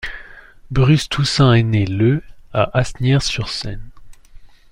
Bruce Toussaint est né le à Asnières-sur-Seine.